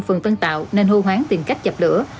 phường tân tàu nên hô hoán tìm cách dập lửa